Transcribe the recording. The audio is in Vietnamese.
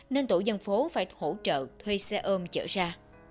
nên tổ dân phố phải hỗ trợ thuê xe ôm chở ra